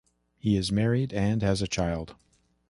He is married and has a child.